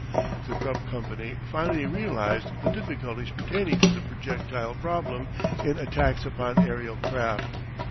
The Krupp company fully realised the difficulties pertaining to the projectile problem in attacks upon aerial craft.